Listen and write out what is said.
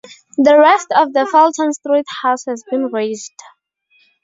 The rest of the Fulton Street house has been razed.